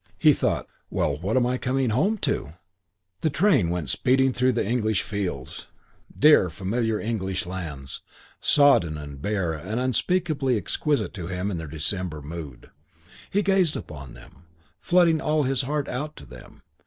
He thought, "Well, what am I coming home to?" The train went speeding through the English fields, dear, familiar, English lands, sodden and bare and unspeakably exquisite to him in their December mood. He gazed upon them, flooding all his heart out to them.